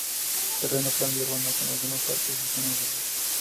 Terreno plano y urbano, con algunos parques y zonas verdes.